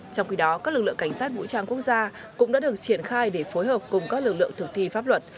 trong khi đó các lực lượng cảnh sát vũ trang quốc gia cũng đã được triển khai để phối hợp cùng các lực lượng thực thi pháp luật